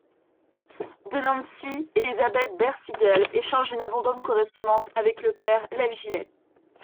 De Nancy, Élisabeth Behr-Sigel échange une abondante correspondance avec le Père Lev Gillet.